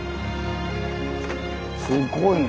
すごいね。